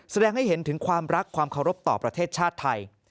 แสดงให้เห็นถึงความรักความเคารพต่อประเทศชาติไทย